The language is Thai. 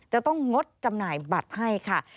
จะต้องงดจำหน่ายบัตรให้ค่ะ